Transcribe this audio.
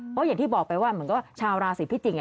เพราะอย่างที่บอกไปว่าเหมือนกับชาวราศีพิจิกษ์